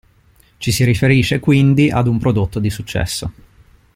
Ci si riferisce quindi ad un prodotto di successo.